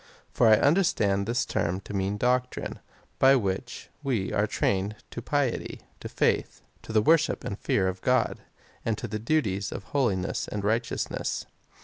For I understand this term to mean doctrine, by which we are trained to piety, to faith, to the worshij) and fear of God, and the duties of holiness and righteousness.